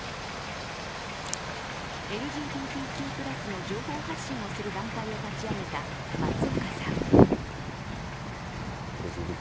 ＬＧＢＴＱ＋の情報発信をする団体を立ち上げた松岡さん。